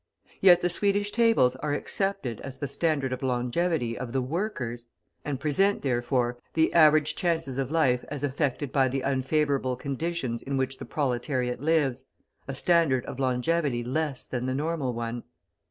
Yet the Swedish tables are accepted as the standard of longevity of the workers, and present, therefore, the average chances of life as affected by the unfavourable conditions in which the proletariat lives, a standard of longevity less than the normal one.